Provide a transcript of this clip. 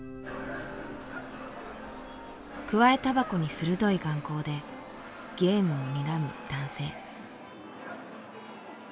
くわえタバコに鋭い眼光でゲームをにらむ男性。